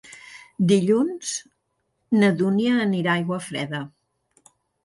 Dilluns na Dúnia anirà a Aiguafreda.